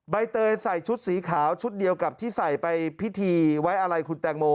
ใบเตยใส่ชุดสีขาวชุดเดียวกับที่ใส่ไปพิธีไว้อะไรคุณแตงโม